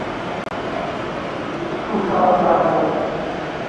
Ad k-wteɣ ar tɛebbuḍt.